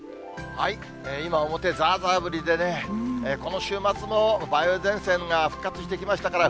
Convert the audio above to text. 今、表、ざーざー降りでね、この週末も梅雨前線が復活してきましたから、